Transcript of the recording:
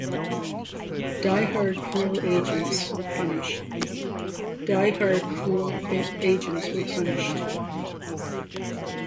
Die-hard cruel agents were punished.